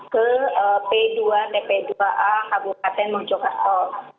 ke p dua tp dua a kabupaten mojokato